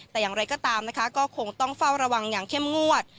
แต่อย่างไรก็ตามนะคะก็คงต้องเฝ้าระวังอย่างเข้มงวด